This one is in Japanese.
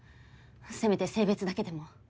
せめて性別だけでも。